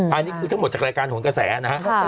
อันนี้คือทั้งหมดจากรายการโหนกระแสนะฮะ